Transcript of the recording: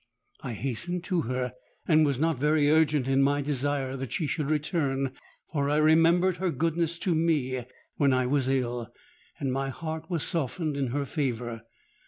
I hastened to her, and was not very urgent in my desire that she should return; for I remembered her goodness to me when I was ill, and my heart was softened in her favour.